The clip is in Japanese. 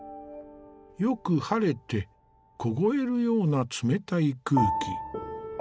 よく晴れて凍えるような冷たい空気。